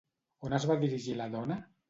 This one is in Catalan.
On es va dirigir la dona?